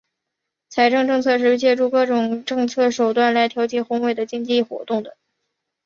财政政策是借助各种政策手段来调节宏观经济活动的。